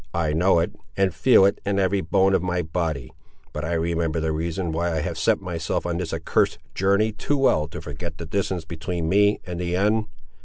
"I know it, and feel it in every bone of my body. But I remember the reason, why I have set myself on this accursed journey too well to forget the distance between me and the end.